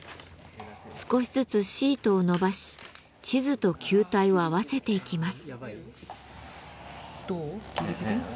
少しずつシートを伸ばし地図と球体を合わせていきます。